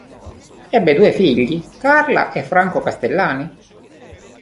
Ebbe due figli: Carla e Franco Castellani.